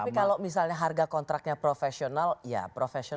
tapi kalau misalnya harga kontraknya profesional ya profesional